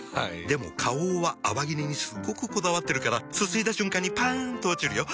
でも花王は泡切れにすっごくこだわってるからすすいだ瞬間にパン！と落ちるよ。